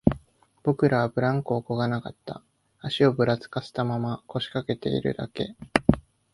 僕らはブランコをこがなかった、足をぶらつかせたまま、腰掛けているだけ